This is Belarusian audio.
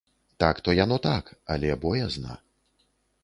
Так то яно так, але боязна.